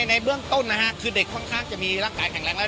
ในเบื้องต้นนะฮะคือเด็กค่อนข้างจะมีร่างกายแข็งแรงแล้ว